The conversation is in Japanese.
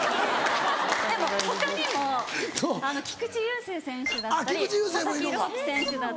でも他にも菊池雄星選手だったり佐々木朗希選手だったり。